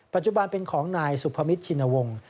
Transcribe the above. ปัจจุบันเป็นของนายศุภามิตเชียวชินวงศ์